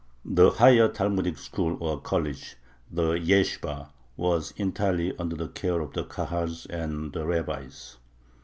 The higher Talmudic school or college, the yeshibah, was entirely under the care of the Kahal and the rabbis.